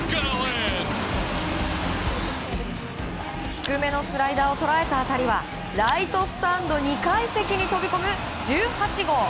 低めのスライダーを捉えた当たりはライトスタンド２階席に飛び込む１８号。